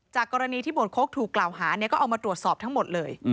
กรณีที่หมวดโค้กถูกกล่าวหาก็เอามาตรวจสอบทั้งหมดเลย